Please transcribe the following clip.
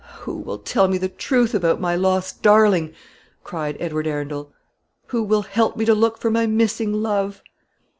"Who will tell me the truth about my lost darling?" cried Edward Arundel. "Who will help me to look for my missing love?"